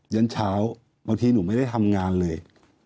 ยันเช้าบางทีหนูไม่ได้ทำงานเลย